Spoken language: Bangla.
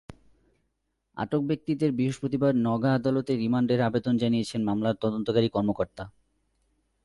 আটক ব্যক্তিদের বৃহস্পতিবার নওগাঁ আদালতে রিমান্ডের আবেদন জানিয়েছেন মামলার তদন্তকারী কর্মকর্তা।